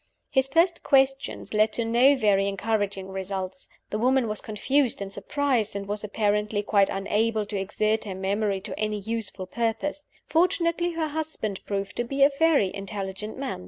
His first questions led to no very encouraging results. The woman was confused and surprised, and was apparently quite unable to exert her memory to any useful purpose. Fortunately, her husband proved to be a very intelligent man.